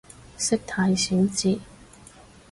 識太少字